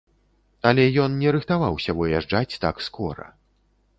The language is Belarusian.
Але ён не рыхтаваўся выязджаць так скора.